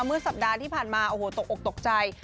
เมื่อสัปดาห์ที่ผ่านมาโอ้โหตกอกตกใจ